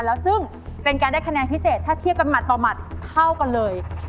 แล้วซึ่งเป็นการได้คะแนนพิเศษถ้าเทียบกันหัดต่อหมัดเท่ากันเลย